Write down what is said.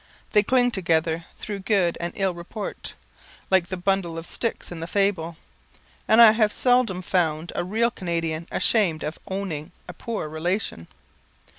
They cling together through good and ill report, like the bundle of sticks in the fable; and I have seldom found a real Canadian ashamed of owning a poor relation.